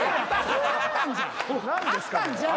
あったんじゃん。